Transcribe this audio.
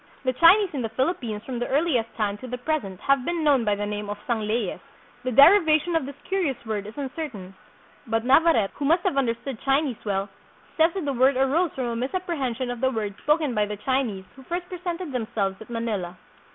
The Chinese in the Philippines from the earliest time to the present have been known by the name of "Sang leyes." The derivation of this curious word is uncertain; but Navarrete, who must have understood Chinese well, says that the word arose from a misapprehension of the words spoken by the Chinese who first presented them selves at Manila.